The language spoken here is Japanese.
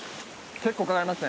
結構かかりますね